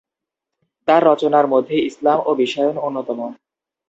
তার রচনার মধ্যে "ইসলাম ও বিশ্বায়ন" অন্যতম।